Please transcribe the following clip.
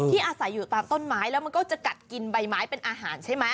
อาศัยอยู่ตามต้นไม้แล้วมันก็จะกัดกินใบไม้เป็นอาหารใช่ไหม